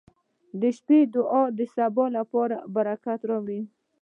• د شپې دعا د سبا لپاره برکت راوړي.